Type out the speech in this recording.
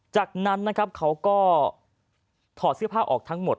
จากนั้นนะครับเขาก็ถอดเสื้อผ้าออกทั้งหมด